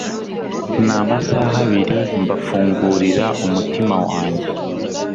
namasaha abiri mbafungurira umutima wanjye